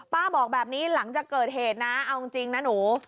บอกแบบนี้หลังจากเกิดเหตุนะเอาจริงนะหนู